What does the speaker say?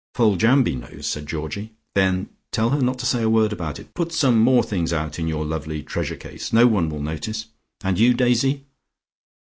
"Foljambe knows," said Georgie. "Then tell her not to say a word about it. Put some more things out in your lovely treasure case, no one will notice. And you, Daisy."